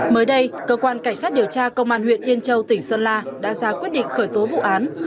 mới đây cơ quan cảnh sát điều tra công an huyện yên châu tỉnh sơn la đã ra quyết định khởi tố vụ án